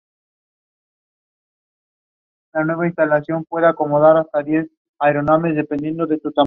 Julio Romano